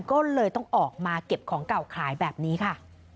ก็เลยต้องออกมาเก็บของเก่าขายแบบนี้ค่ะ